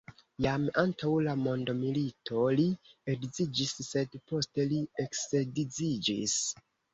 Jam antaŭ la mondomilito li edziĝis, sed poste li eksedziĝis.